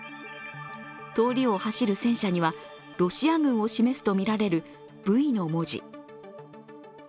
通りを走る戦車にはロシア軍を示すとみられる「Ｖ」の文字。